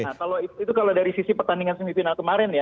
nah kalau itu kalau dari sisi pertandingan semifinal kemarin ya